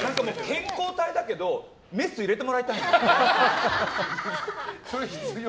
健康体だけどメス入れてもらいたいもん。